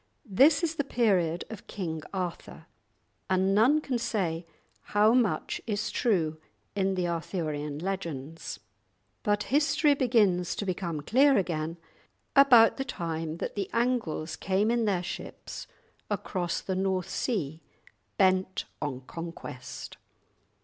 This is the period of King Arthur, and none can say how much is true in the Arthurian legends. But history begins to become clear again about the time that the Angles came in their ships across the North Sea, bent on conquest.